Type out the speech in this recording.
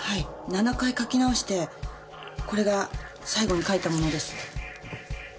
７回書き直してこれが最後に書いたものです。